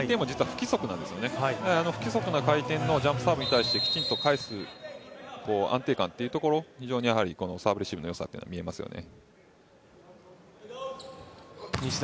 不規則な回転のジャンプサーブに対してきちんと返す安定感というところ非常にサーブ、レシーブの良さというのが見えますよね。